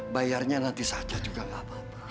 bayarnya nanti saja juga nggak apa apa